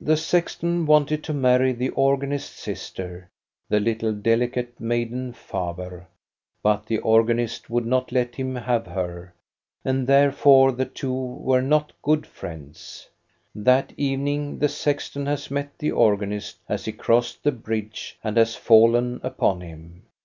The sexton wanted to marry the organist's sister, 130 THE STORY OF GOSTA BERLING the little, delicate maiden Faber, but the organist would not let him have her, and therefore the two were not good friends. That evening the sexton has met the organist as he crossed the bridge and has fallen upon him.